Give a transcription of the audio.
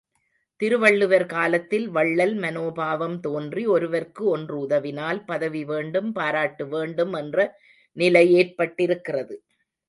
திருவள்ளுவர் காலத்தில் வள்ளல் மனோபாவம் தோன்றி, ஒருவர்க்கு ஒன்று உதவினால் பதவிவேண்டும் பாராட்டு வேண்டும் என்ற நிலை ஏற்பட்டிருக்கிறது.